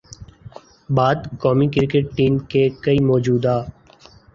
بعد قومی cricket team کے کئی موجودہ